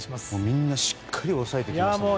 みんなしっかり抑えてきましたからね。